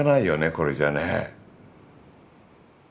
これじゃね。